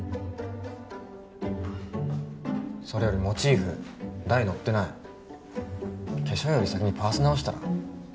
それよりモチーフ台乗ってない化粧より先にパース直したら？